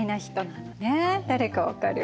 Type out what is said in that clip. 誰か分かる？